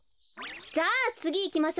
じゃあつぎいきましょう。